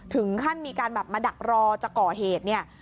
ถึงขั้นมีการแบบมาดักรอจะก่อเหตุเนี่ย